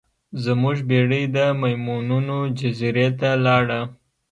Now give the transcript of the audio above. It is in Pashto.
زموږ بیړۍ د میمونونو جزیرې ته لاړه.